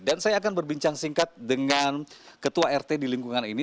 dan saya akan berbincang singkat dengan ketua rt di lingkungan ini